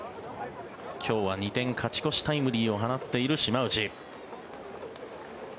今日は２点勝ち越しタイムリーを放っている島内。